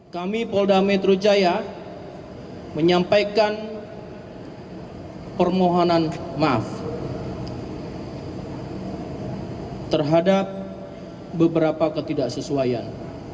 kami polda metro jaya menyampaikan permohonan maaf terhadap beberapa ketidaksesuaian